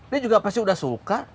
dia juga pasti udah suka